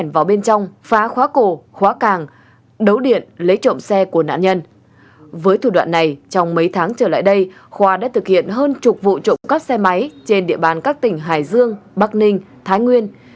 với thủ đoạn này trong mấy tháng trở lại đây khoa đã thực hiện hơn chục vụ trộm cắp xe máy trên địa bàn các tỉnh hải dương bắc ninh thái nguyên